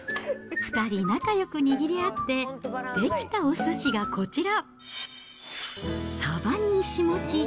２人仲よく握り合って、出来たおすしがこちら。